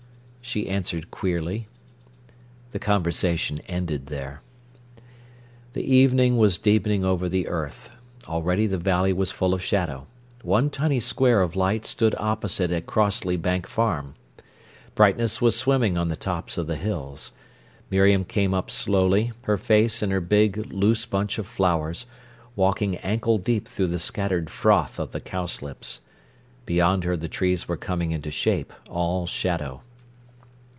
she answered queerly. The conversation ended there. The evening was deepening over the earth. Already the valley was full of shadow. One tiny square of light stood opposite at Crossleigh Bank Farm. Brightness was swimming on the tops of the hills. Miriam came up slowly, her face in her big, loose bunch of flowers, walking ankle deep through the scattered froth of the cowslips. Beyond her the trees were coming into shape, all shadow.